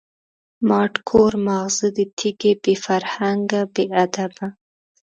ماټ کور ماغزه د تیږی، بی فرهنگه بی ادبه